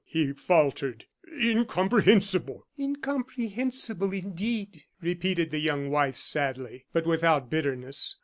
he faltered; "incomprehensible!" "Incomprehensible, indeed," repeated the young wife, sadly, but without bitterness.